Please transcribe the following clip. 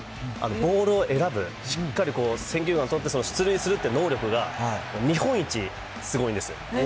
ボールを選ぶ、しっかり選球眼とって、出塁するっていう能力が日本一すごいんですよ。